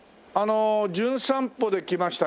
『じゅん散歩』で来ましたね